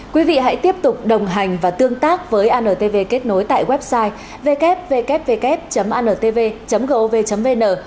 quý vị hãy tiếp tục đồng hành và tương tác với antv kết nối tại website ww antv gov vn